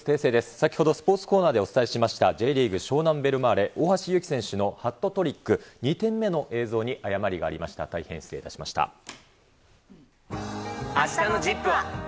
先ほどスポーツコーナーでお伝えしました、Ｊリーグ・湘南ベルマーレ、おおはしゆうき選手のハットトリック、２点目の映像に誤りがありあしたのＺＩＰ！は。